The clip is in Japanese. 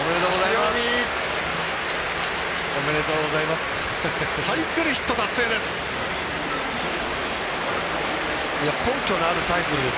おめでとうございます！